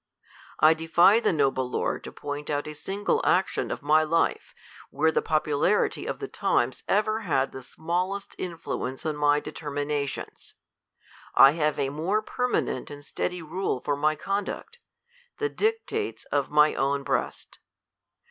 I defy the noble lord to point out a single action of my life, where the popularity of the times ever had the smallest influence on my determinations. I have a more permanent and steady rule for my conduct, the dictates of my own breast.